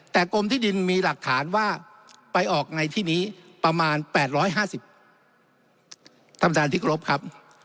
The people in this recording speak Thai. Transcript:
แต่กรมที่ดินมีหลักฐานว่าไปออกในที่นี้ประมาณ๘๕๐ท่านประธานที่กรบครับ